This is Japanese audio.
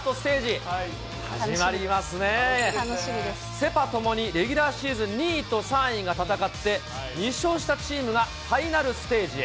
セ・パともにレギュラーシーズン２位と３位が戦って、２勝したチームがファイナルステージへ。